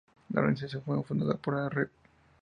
La organización fue fundada por el Rev.